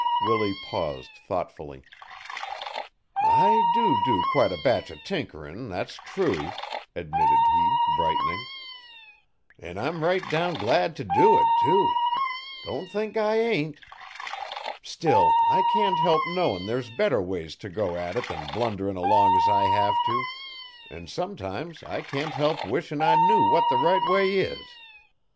Willie paused thoughtfully. "I do do quite a batch of tinkerin', that's true," admitted he, brightening, "an' I'm right down glad to do it, too. Don't think I ain't. Still, I can't help knowin' there's better ways to go at it than blunderin' along as I have to, an' sometimes I can't help wishin' I knew what the right way is.